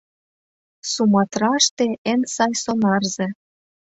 — Суматраште эн сай сонарзе.